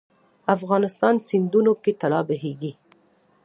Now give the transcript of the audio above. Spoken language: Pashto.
افغانستان سیندونو کې طلا بهیږي 😱